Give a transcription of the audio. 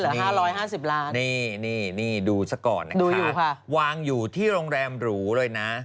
นี่เหรอ๕๕๐ล้านบาทดูสักก่อนนะครับวางอยู่ที่โรงแรมหรูเลยนะ